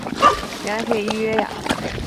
原来可以预约呀